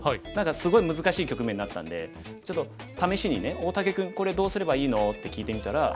すごい難しい局面になったんでちょっと試しにね「大竹君これどうすればいいの？」って聞いてみたら。